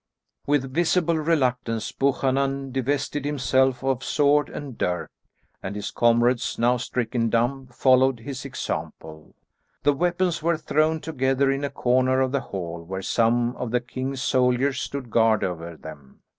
'"] With visible reluctance Buchanan divested himself of sword and dirk, and his comrades, now stricken dumb, followed his example. The weapons were thrown together in a corner of the hall where some of the king's soldiers stood guard over them.